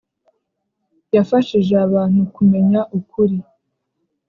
Yafashije abantu kumenya ukuri